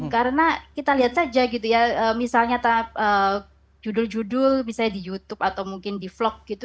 karena kita lihat saja gitu ya misalnya judul judul misalnya di youtube atau mungkin di vlog gitu